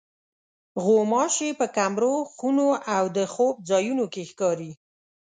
غوماشې په کمرو، خونو او د خوب ځایونو کې ښکاري.